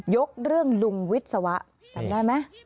ยกเรื่องลุงวิศวะจำได้ไหม